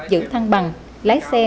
giữ thăng bằng lái xe